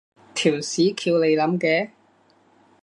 條屎橋你諗嘅？